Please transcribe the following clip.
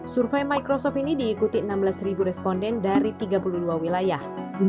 survei microsoft ini diikuti enam belas responden dari tiga puluh dua wilayah